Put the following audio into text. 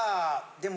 でも。